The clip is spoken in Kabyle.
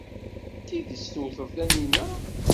D tidet tewteḍ Taninna?